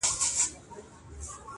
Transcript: هر انسان خپل حقيقت لټوي تل,